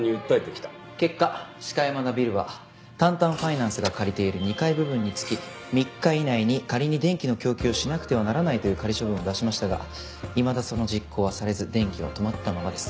結果鹿山田ビルはタンタンファイナンスが借りている２階部分につき３日以内に仮に電気の供給をしなくてはならないという仮処分を出しましたがいまだその実行はされず電気は止まったままです。